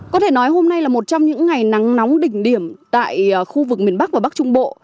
có thể nói hôm nay là một trong những ngày nắng nóng đỉnh điểm tại khu vực miền bắc và bắc trung bộ